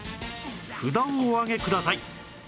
札をお上げください